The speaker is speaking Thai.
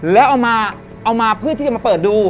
แล้วเอามาเอามาเพื่อที่จะมาเปิดดู